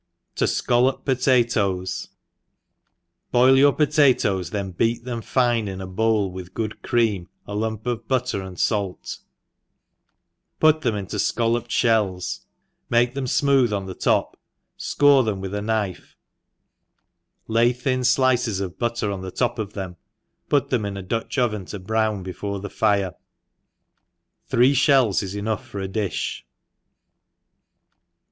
To fcoltop Potatoes. BOIL your potatoes, then beat them fine in a bowl with good cream, a lump of butter and fait, put them into fcollop fhells, make them fmooth on the top, fcore them with a knife, lay. thin ilicbs of butter on' the top of them, put them in a Dutch oven to brown before the fire. Three Ihells is enough for a dilh.